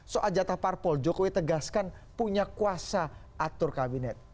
soal jatah parpol jokowi tegaskan punya kuasa atur kabinet